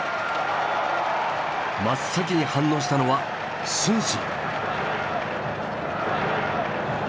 真っ先に反応したのは承信。